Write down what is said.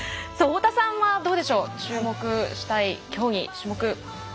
太田さんはどうでしょう注目したい競技種目。